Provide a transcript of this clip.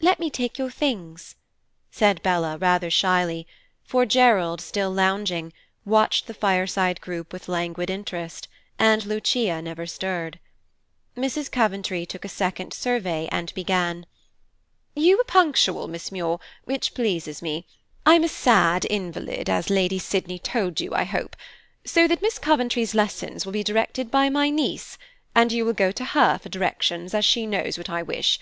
Let me take your things," said Bella, rather shyly, for Gerald, still lounging, watched the fireside group with languid interest, and Lucia never stirred. Mrs. Coventry took a second survey and began: "You were punctual, Miss Muir, which pleases me. I'm a sad invalid, as Lady Sydney told you, I hope; so that Miss Coventry's lessons will be directed by my niece, and you will go to her for directions, as she knows what I wish.